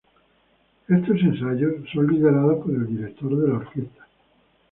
Estos ensayos son liderados por el director de orquesta.